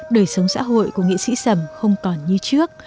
đời sống xã hội của nghệ sĩ sầm không còn như trước